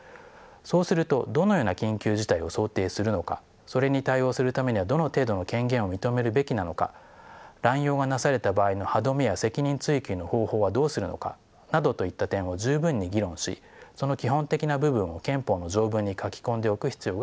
そうするとどのような緊急事態を想定するのかそれに対応するためにはどの程度の権限を認めるべきなのか乱用がなされた場合の歯止めや責任追及の方法はどうするのかなどといった点を十分に議論しその基本的な部分を憲法の条文に書き込んでおく必要があります。